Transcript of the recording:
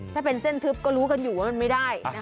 ถ้าเป็นเส้นทึบก็รู้กันอยู่ว่ามันไม่ได้